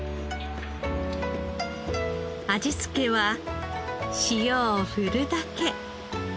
味付けは塩を振るだけ。